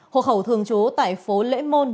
hộ khẩu thường chú tại phố lễ môn